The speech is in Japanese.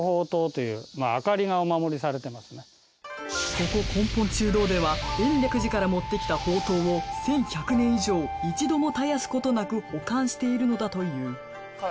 ここ根本中堂では延暦寺から持ってきた法燈を１１００年以上一度も絶やすことなく保管しているのだという。